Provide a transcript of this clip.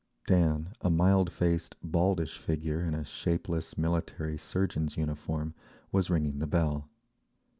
Dan, a mild faced, baldish figure in a shapeless military surgeon's uniform, was ringing the bell.